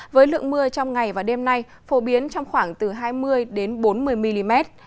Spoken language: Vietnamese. với lượng mưa trong ngày và đêm nay phổ biến trong khoảng từ hai mươi bốn mươi mm